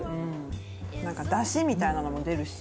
出汁みたいなのも出るし。